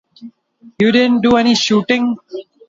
You didn't do any shooting?